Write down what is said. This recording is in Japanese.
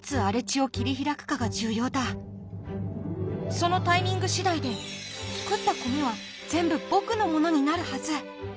そのタイミング次第で作った米は全部僕のものになるはず。